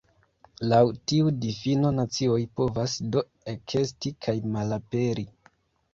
Laŭ tiu difino nacioj povas do ekesti kaj malaperi.